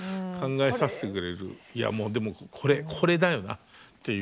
いやもうでもこれだよなっていう。